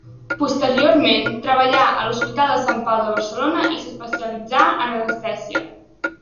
Posteriorment treballà a l'Hospital de Sant Pau de Barcelona i s'especialitzà en anestèsia.